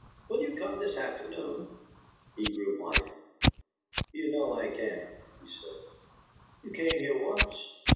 "Will you come this afternoon?" He grew white. "You know I can't," he said. "You came here once.